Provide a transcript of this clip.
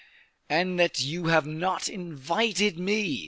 "And that you have not invited me!"